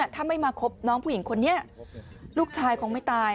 ถ้าไม่มาคบน้องผู้หญิงคนนี้ลูกชายคงไม่ตาย